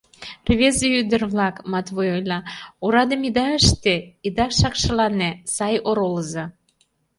— Рвезе-ӱдыр-влак, — Матвуй ойла, — орадым ида ыште, ида шакшылане, сай оролыза...